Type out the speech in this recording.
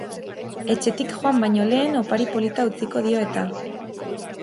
Etxetik joan baino lehen opari polita utziko dio eta.